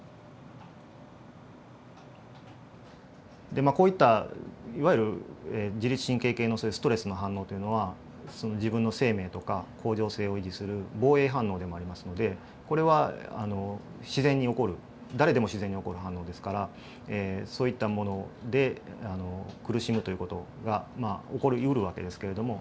でまあこういったいわゆる自律神経系のそういうストレスの反応というのは自分の生命とか恒常性を維持する防衛反応でもありますのでこれは自然に起こる誰でも自然に起こる反応ですからそういったもので苦しむという事が起こりうる訳ですけれども。